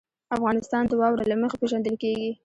افغانستان د واوره له مخې پېژندل کېږي.